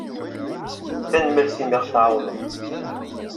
Tanemmirt imi i aɣ-tɛawneḍ.